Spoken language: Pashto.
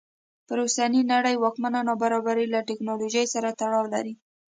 پر اوسنۍ نړۍ واکمنه نابرابري له ټکنالوژۍ سره تړاو لري.